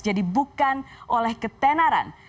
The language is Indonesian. jadi bukan oleh ketenaran